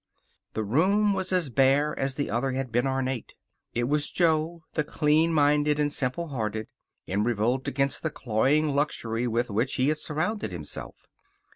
This room was as bare as the other had been ornate. It was Jo, the clean minded and simplehearted, in revolt against the cloying luxury with which he had surrounded himself.